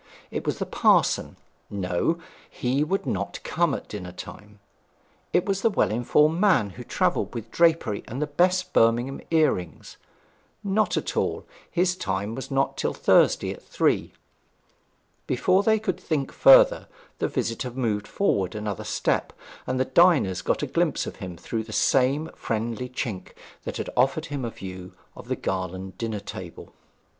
It was the parson? No; he would not come at dinner time. It was the well informed man who travelled with drapery and the best Birmingham earrings? Not at all; his time was not till Thursday at three. Before they could think further the visitor moved forward another step, and the diners got a glimpse of him through the same friendly chink that had afforded him a view of the Garland dinner table.